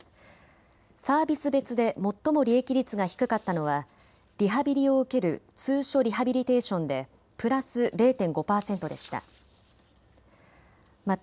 サービス別で最も利益率が低かったのはリハビリを受ける通所リハビリテーションでプラス０．５％でした。